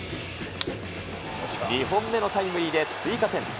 ２本目のタイムリーで追加点。